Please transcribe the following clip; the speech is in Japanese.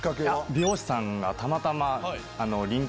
美容師さんがたまたま。